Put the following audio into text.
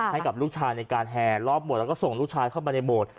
ให้กับลูกชายในการแห่รอบโบสถแล้วก็ส่งลูกชายเข้ามาในโบสถ์